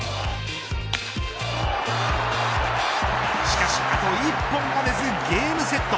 しかし、あと１本が出ずゲームセット